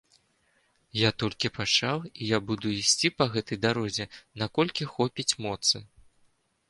Я толькі пачаў, і я буду ісці па гэтай дарозе, наколькі хопіць моцы.